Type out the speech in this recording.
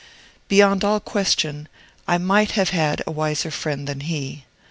Beyond all question, I might have had a wiser friend than he.